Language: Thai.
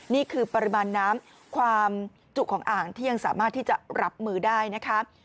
นี่คือปริมาณน้ำความจุของอ่างที่ยังสามารถที่จะรับมือได้นะคะ